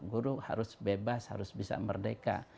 guru harus bebas harus bisa merdeka